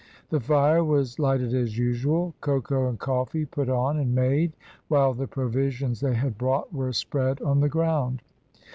The fire was lighted as usual; cocoa and coffee put on and made, while the provisions they had brought were spread on the ground.